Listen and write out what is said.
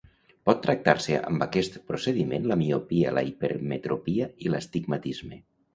Pot tractar-se amb aquest procediment la miopia, la hipermetropia i l'astigmatisme.